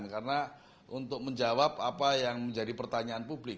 karena untuk menjawab apa yang menjadi pertanyaan publik